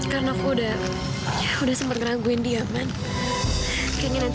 karena aku udah sempat ngeraguin dia man